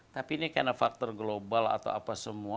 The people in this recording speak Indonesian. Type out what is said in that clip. tapi ini karena faktor global atau apa semua